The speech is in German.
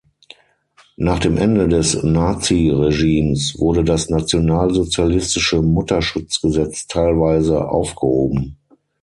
Nach dem Ende des Naziregimes wurde das nationalsozialistische Mutterschutzgesetz teilweise aufgehoben.